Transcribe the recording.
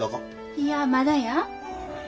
いやまだや。